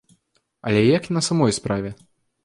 Але як на самой справе?